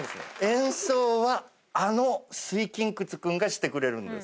演奏はあの水琴窟君がしてくれるんです。